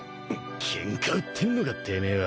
ケンカ売ってんのかてめえは。